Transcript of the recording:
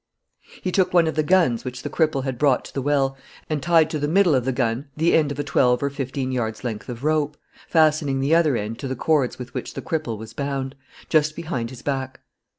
He took one of the guns which the cripple had brought to the well and tied to the middle of the gun the end of a twelve or fifteen yards' length of rope, fastening the other end to the cords with which the cripple was bound, just behind his back.